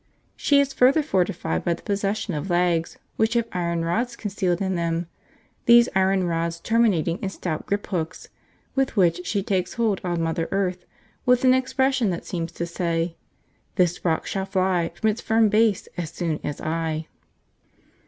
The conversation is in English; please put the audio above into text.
She is further fortified by the possession of legs which have iron rods concealed in them, these iron rods terminating in stout grip hooks, with which she takes hold on mother earth with an expression that seems to say, 'This rock shall fly From its firm base as soon as I.'